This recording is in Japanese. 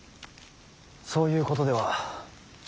そういうことでは。